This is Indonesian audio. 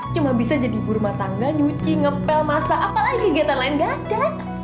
cuma bisa jadi ibu rumah tangga nyuci ngepel masa apalagi kegiatan lain gak ada